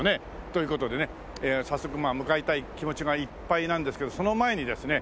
という事でね早速向かいたい気持ちがいっぱいなんですけどその前にですね